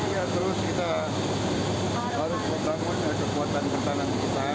iya terus kita harus membangunnya kekuatan pertanian kita